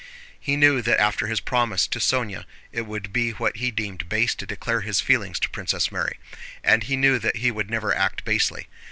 He knew that after his promise to Sónya it would be what he deemed base to declare his feelings to Princess Mary. And he knew that he would never act basely.